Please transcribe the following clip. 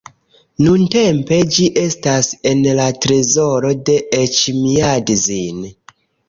Nuntempe ĝi estas en la trezoro de Eĉmiadzin.